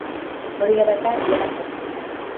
Hori dela eta, ilarak sortu dira.